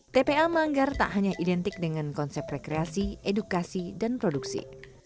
tpa manggar tak hanya identik dengan konsep rekreasi edukasi dan produksi